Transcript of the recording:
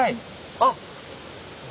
あっ。